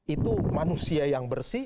itu manusia yang bersih